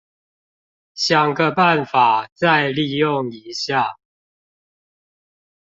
想個辦法再利用一下